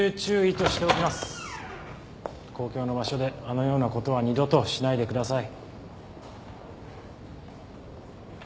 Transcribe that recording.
公共の場所であのようなことは二度としないでください。